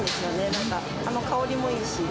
なんか、あの香りもいいし。